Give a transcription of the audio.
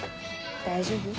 大丈夫？